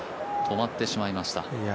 止まってしまいました。